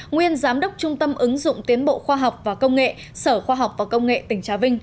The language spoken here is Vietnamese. nguyên giám đốc trung tâm ứng dụng tiến bộ khoa học và công nghệ sở khoa học và công nghệ tỉnh trà vinh